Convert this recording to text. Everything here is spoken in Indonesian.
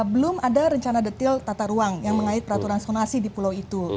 belum ada rencana detil tata ruang yang mengait peraturan sonasi di pulau itu